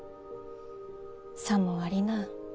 さもありなん。